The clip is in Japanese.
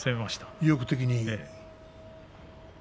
意欲的に。